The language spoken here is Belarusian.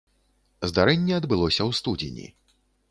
Здарэнне адбылося ў студзені.